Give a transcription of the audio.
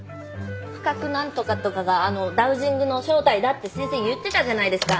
不覚何とかとかがあのダウジングの正体だって先生言ってたじゃないですか。